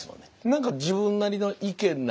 何か自分なりの意見なり